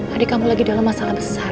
adik kamu lagi dalam masalah besar